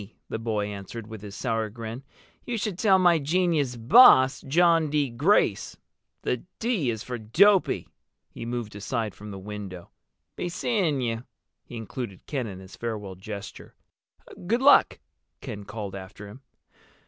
the boy answered, with his sour grin. "You should tell my genius boss—John D. Grace. The D is for dopey." He moved aside from the window. "Be seeing you!" He included Ken in his farewell gesture. "Good luck!" Ken called after him.